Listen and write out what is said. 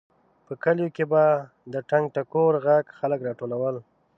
په کلیو کې به د ټنګ ټکور غږ خلک راټولول.